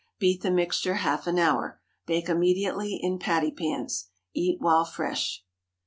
Beat the mixture half an hour. Bake immediately in patty pans. Eat while fresh.